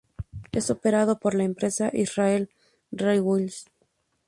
Es operado por la empresa Israel Railways.